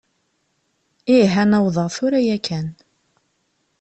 Ih, ad n-awḍeɣ tura yakan.